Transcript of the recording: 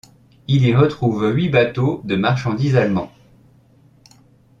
Il y retrouve huit bateaux de marchandise allemands.